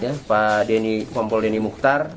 kanit pak deni kompol deni mukhtar